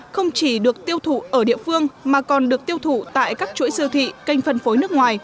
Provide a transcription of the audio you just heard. không chỉ được tiêu thụ ở địa phương mà còn được tiêu thụ tại các chuỗi siêu thị kênh phân phối nước ngoài